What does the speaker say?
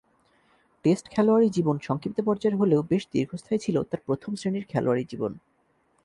Test খেলোয়াড়ী জীবন সংক্ষিপ্ত পর্যায়ের হলেও বেশ দীর্ঘস্থায়ী ছিল তার প্রথম-শ্রেণীর খেলোয়াড়ী জীবন।